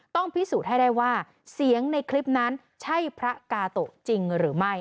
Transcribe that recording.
ต้องพิสูจน์ให้ได้ว่าเสียงในคลิปนั้นใช่พระกาโตะจริงหรือไม่